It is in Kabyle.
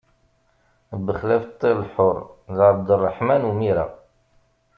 Bexlaf ṭṭir lḥur, d Ɛebderreḥman Umira.